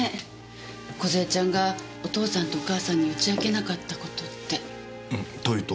梢ちゃんがお父さんとお母さんに打ち明けなかった事って。というと？